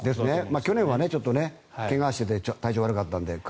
去年は怪我をしていて体調が悪かったんで若干